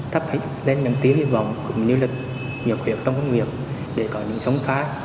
thắp hãy lên những tía hy vọng cũng như lực nhiều khuyện trong công việc để có những sống phá